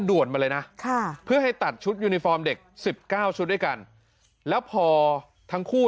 ด่วนมาเลยนะค่ะเพื่อให้ตัดชุดยูนิฟอร์มเด็กสิบเก้าชุดด้วยกันแล้วพอทั้งคู่